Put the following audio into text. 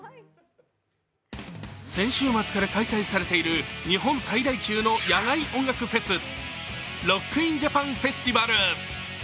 先週末から開催されている日本最大級の野外音楽フェス、ＲＯＣＫＩＮＪＡＰＡＮＦＥＳＴＩＶＡＬ。